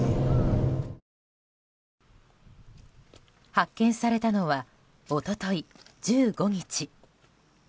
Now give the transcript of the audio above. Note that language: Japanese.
発見されたのは一昨日１５日。